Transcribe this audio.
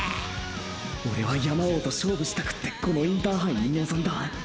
オレは「山王」と勝負したくってこのインターハイにのぞんだ。